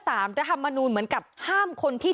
ทีนี้จากรายทื่อของคณะรัฐมนตรี